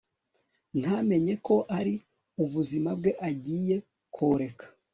ntamenye ko ari ubuzima bwe agiye koreka